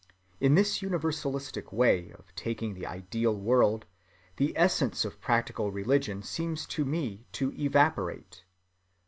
In this universalistic way of taking the ideal world, the essence of practical religion seems to me to evaporate.